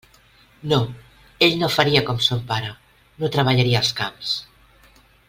No; ell no faria com son pare; no treballaria els camps.